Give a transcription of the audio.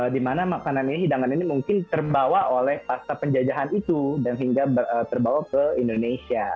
dimana makanan ini hidangan ini mungkin terbawa oleh pasta penjajahan itu dan hingga terbawa ke indonesia